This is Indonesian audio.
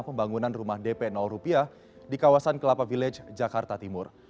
pembangunan rumah dp rupiah di kawasan kelapa village jakarta timur